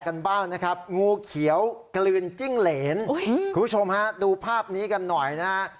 กันบ้างนะครับงูเขียวกลืนจิ้งเหรนคุณผู้ชมฮะดูภาพนี้กันหน่อยนะฮะ